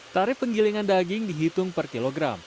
tarif penggilingan daging dihitung per kilogram